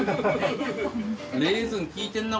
レーズンきいてんな。